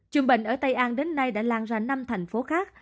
chùm bệnh ở tây an đến nay đã lan ra năm thành phố khác